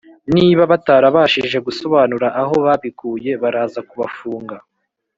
Niba batarabashije gusobanura aho babikuye baraza kubafunga